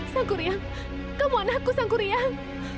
sangku rian kamu anakku sangku rian